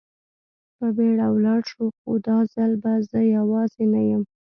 په بېړه ولاړ شو، خو دا ځل به زه یوازې نه یم.